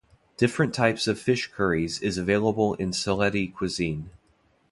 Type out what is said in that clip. Different types of fish curries is available in Sylheti cuisine.